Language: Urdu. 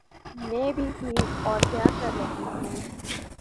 میں بھی ٹھیک۔ اور کیا کر رہے ہیں؟